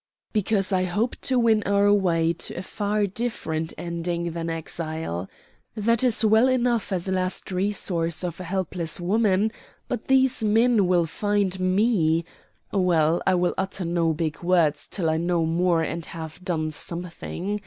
"Because I hope to win our way to a far different ending than exile. That is well enough as a last resource of a helpless woman; but these men will find me well, I will utter no big words till I know more and have done something.